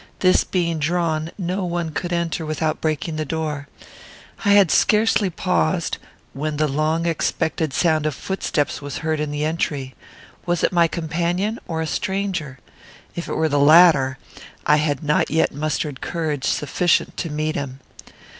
This being drawn, no one could enter without breaking the door. I had scarcely paused, when the long expected sound of footsteps was heard in the entry. Was it my companion, or a stranger? If it were the latter, I had not yet mustered courage sufficient to meet him.